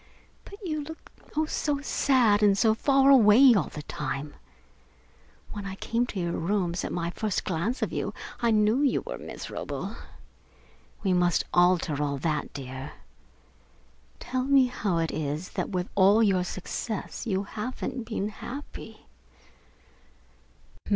But you look oh, so sad and so far away all the time! When I came to your rooms, at my first glimpse of you I knew that you were miserable. We must alter all that, dear. Tell me how it is that with all your success you haven't been happy?"